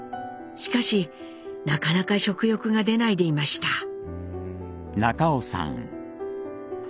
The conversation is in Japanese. しかしなかなか食欲が出ないでいました。